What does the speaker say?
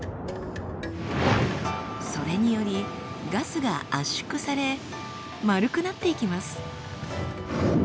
それによりガスが圧縮され丸くなっていきます。